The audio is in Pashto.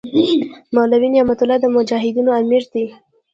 مولوي نعمت الله د مجاهدینو امیر دی.